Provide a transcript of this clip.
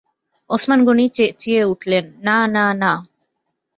ওসমান গনি চেঁচিয়ে উঠলেন, না না না।